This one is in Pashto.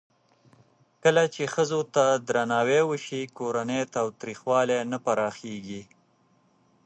کله چې ښځو ته درناوی وشي، کورنی تاوتریخوالی نه پراخېږي.